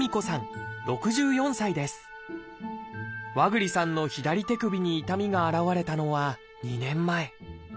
和栗さんの左手首に痛みが現れたのは２年前。